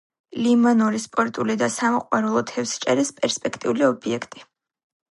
ლიმანური, სპორტული და სამოყვარულო თევზჭერის პერსპექტიული ობიექტი.